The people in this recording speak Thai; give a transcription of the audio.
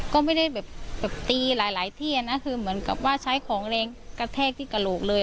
ก็ไม่ได้แบบตีหลายที่นะคือเหมือนกับว่าใช้ของแรงกระแทกที่กระโหลกเลย